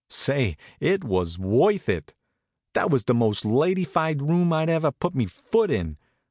Say, it was worth it! That was the most ladyfied room I ever put me foot in.